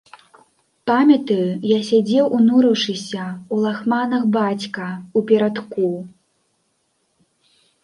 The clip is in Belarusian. Памятаю, я сядзеў унурыўшыся, у лахманах, бацька ў перадку.